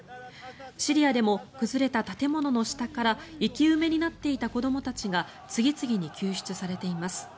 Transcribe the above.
シリアでも崩れた建物の下から生き埋めになっていた子どもたちが次々に救出されています。